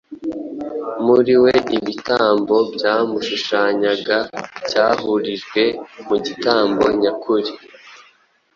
Muri we ibitambo byamushushanyaga byahurijwe mu gitambo nyakuri,